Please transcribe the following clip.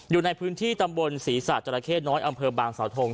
อยู่ในพื้นที่ตำบลศรีษะจราเข้น้อยอำเภอบางสาวทง